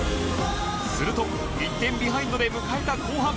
すると１点ビハインドで迎えた後半